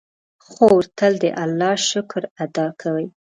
خور تل د الله شکر ادا کوي.